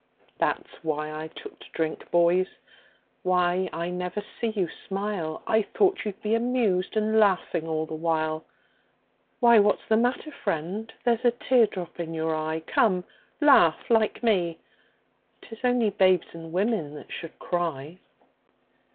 "That's why I took to drink, boys. Why, I never see you smile, I thought you'd be amused, and laughing all the while. Why, what's the matter, friend? There's a tear drop in you eye, Come, laugh like me. 'Tis only babes and women that should cry.